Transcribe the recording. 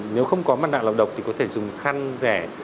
nếu không có mặt nạ lọc độc thì có thể dùng khăn rẻ